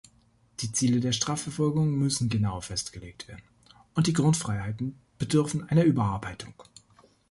Die Ziele der Strafverfolgung müssen genauer festgelegt werden, und die Grundfreiheiten bedürfen einer Überarbeitung.